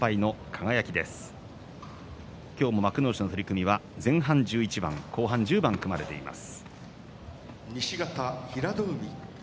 今日も幕内の取組は前半１１番後半１０番、組まれています。